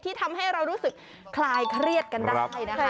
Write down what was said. ทำให้เรารู้สึกคลายเครียดกันได้นะคะ